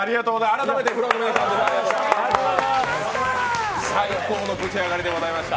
改めてＦＬＯＷの皆さんでした。